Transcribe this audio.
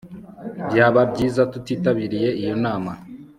Byaba byiza tutitabiriye iyo nama